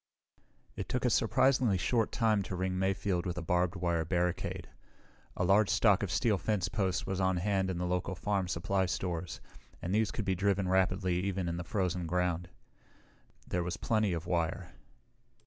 _ It took a surprisingly short time to ring Mayfield with a barbed wire barricade. A large stock of steel fence posts was on hand in the local farm supply stores, and these could be driven rapidly even in the frozen ground. There was plenty of wire.